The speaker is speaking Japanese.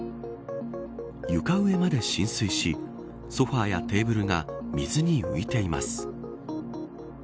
床上まで浸水しソファやテーブルが水に浮いています。